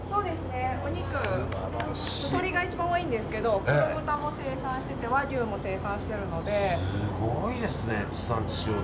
お肉、鶏が一番多いんですけど黒豚も生産していて和牛も生産してるので。